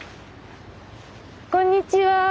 こんにちは。